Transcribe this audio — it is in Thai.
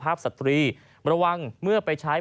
พร้อมกับหยิบมือถือขึ้นไปแอบถ่ายเลย